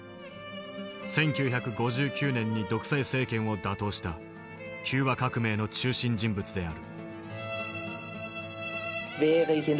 １９５９年に独裁政権を打倒したキューバ革命の中心人物である。